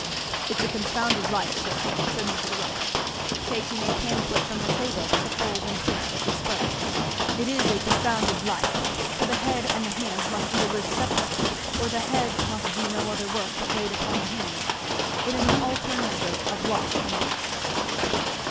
"It's a confounded life, sir," said Mr. Rossitur, taking a pamphlet from the table to fold and twist as he spoke, "it is a confounded life; for the head and the hands must either live separate, or the head must do no other work but wait upon the hands. It is an alternative of loss and waste, sir."